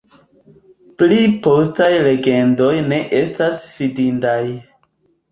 Pli postaj legendoj ne estas fidindaj.